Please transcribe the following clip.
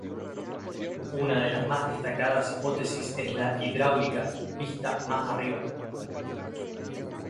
Una de las más destacadas hipótesis es la hidráulica, vista más arriba.